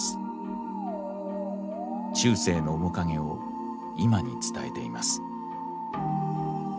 中世の面影を今に伝えています。